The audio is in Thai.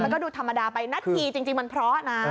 แล้วก็ดูธรรมดาไปนัดทีจริงมันเพราะนะ